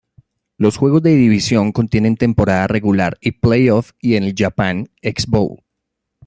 Los juegos de división contienen temporada regular y playoff y el Japan X Bowl.